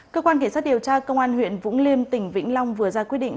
cơ quan kiểm soát điều tra công an huyện vũng liêm tỉnh vĩnh long vừa ra quyết định